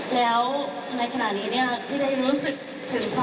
แล้วก็อยากจะให้คนไทยมีความสุขจริงค่ะ